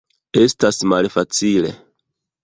Estas malfacile.